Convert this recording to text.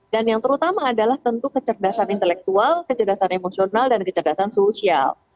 dan yang terutama adalah tentu kecerdasan intelektual kecerdasan emosional dan kecerdasan sosial